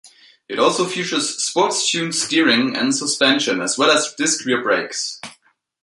It also features sports tuned steering and suspension as well as disc rear brakes.